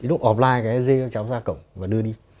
lúc offline cái dê các cháu ra cổng và đưa đi